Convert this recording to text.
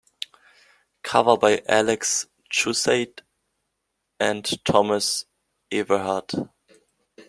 Cover by Axel Jusseit and Thomas Ewerhard.